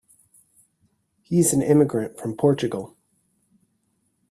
He's an immigrant from Portugal.